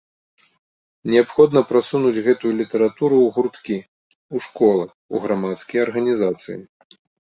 Неабходна прасунуць гэтую літаратуру ў гурткі, у школы, у грамадскія арганізацыі.